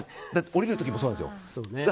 降りる時もそうなんですよ。